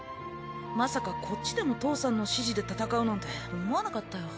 まさかこっちでも父さんの指示で戦うなんて思わなかったよ。